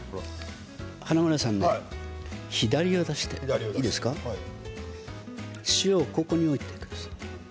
華丸さんね、左手を出して塩を手のひらに置いてください。